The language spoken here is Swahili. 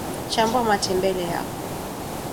chambua matembele yako